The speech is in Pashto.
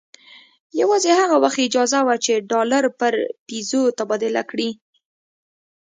یوازې هغه وخت اجازه وه چې ډالر پر پیزو تبادله کړي.